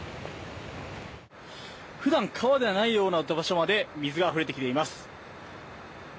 普段、川ではないような場所だったところまで水があふれてきています。